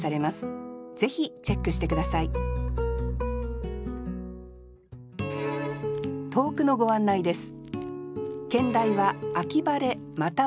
ぜひチェックして下さい投句のご案内です